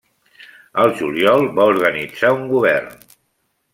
El juliol va organitzar un govern.